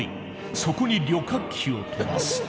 そこに旅客機を飛ばす。